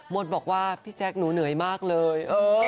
บอกว่าพี่แจ๊คหนูเหนื่อยมากเลย